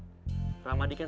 ramadi kan selalu berpikir